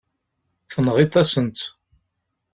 Tenɣiḍ-asen-tt.